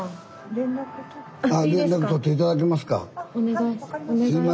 あ連絡とって頂けますか？